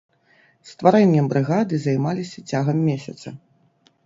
Стварэннем брыгады займаліся цягам месяца.